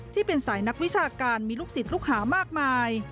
ที่เป็นสายนักวิชาการมีลูกศิษย์ลูกหามากมาย